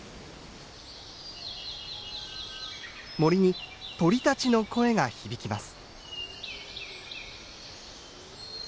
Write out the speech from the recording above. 森に鳥たちの声が響きます。